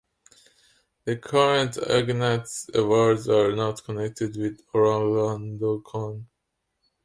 The current Ignatz Awards are not connected with OrlandoCon.